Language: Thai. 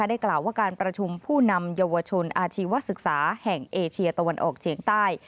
ได้กล่าวว่าการประชุมผู้นำเยาวชนอาชีวศึกษาแห่งเอเชียตะวันออกเฉียงใต้